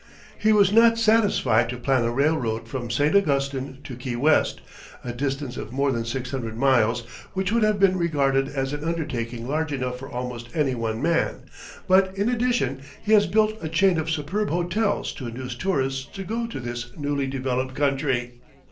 He was not satisfied to plan a railroad from St. Augustine to Key West a distance of more than six hundred miles, which would have been regarded as an undertaking large enough for almost any one man but in addition he has built a chain of superb hotels to induce tourists to go to this newly developed country.